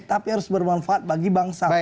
tapi harus bermanfaat bagi bangsa